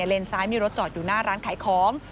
เลนซ้ายมีรถจอดอยู่หน้าร้านขายของ